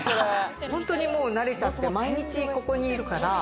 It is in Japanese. ホントにもう慣れちゃって毎日ここにいるから。